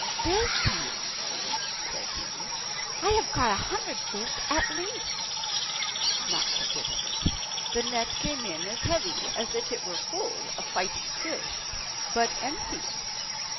"This time," says he, "I have caught a hundred fish at least." Not a bit of it. The net came in as heavy as if it were full of fighting fish, but empty